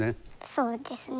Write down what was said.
そうですね。